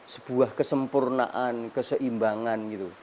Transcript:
sebuah kesempurnaan keseimbangan